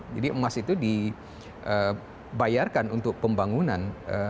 jadi emas itu dibayarkan untuk pembangunan